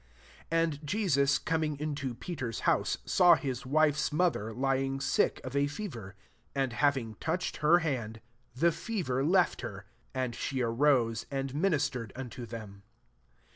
14 And Jesus coming into Peter's house, saw his wife's mother lying sick of a fever. 15 And having touched her Imxkd, the fever left her: and she arose* and ministered unto th^n.